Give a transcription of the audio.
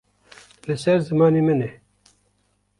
Li ser zimanê min e.